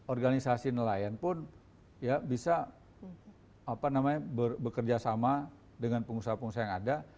organisasi nelayan pun ya bisa apa namanya bekerja sama dengan pengusaha pengusaha yang ada